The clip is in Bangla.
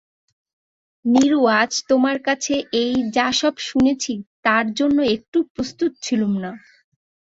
নীরু, আজ তোমার কাছে এই যা-সব শুনছি তার জন্য একটুও প্রস্তুত ছিলুম না।